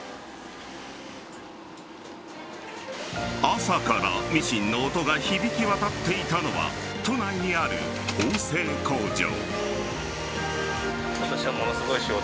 朝からミシンの音が響き渡っていたのは都内にある縫製工場。